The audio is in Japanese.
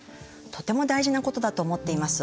とても大事なことだと思っています。